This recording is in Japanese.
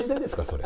それ。